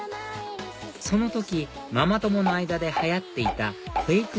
その時ママ友の間で流行っていたフェイク